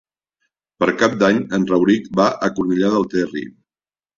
Per Cap d'Any en Rauric va a Cornellà del Terri.